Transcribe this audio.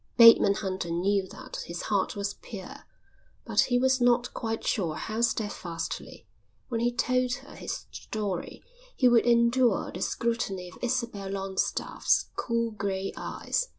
Bateman Hunter knew that his heart was pure, but he was not quite sure how steadfastly, when he told her his story, he would endure the scrutiny of Isabel Longstaffe's cool grey eyes.